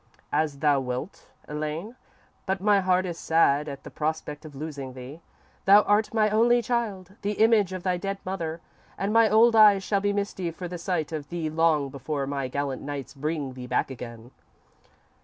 "_ _"As thou wilt, Elaine, but my heart is sad at the prospect of losing thee. Thou art my only child, the image of thy dead mother, and my old eyes shall be misty for the sight of thee long before my gallant knights bring thee back again."